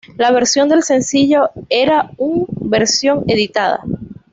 La versión del sencillo era un versión editada.